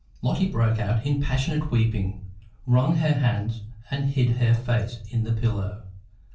Lotty broke out into passionate weeping, wrung her hands, and hid her face in the pillow.